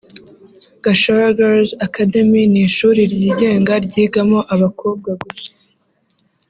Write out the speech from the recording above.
" Gashora Girls Academy ni ishuri ryigenga ryigamo abakobwa gusa